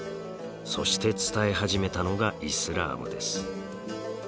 そして伝え始めたのがイスラームです。